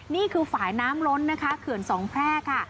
นี่คือฝ่ายน้ำล้นนะคะเขื่อนสองแพร่ค่ะ